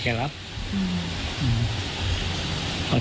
ถึงมาสอน